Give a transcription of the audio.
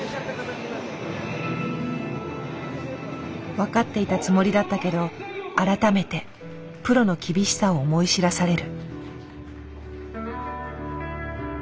分かっていたつもりだったけど改めてプロの厳しさを思い知らされる。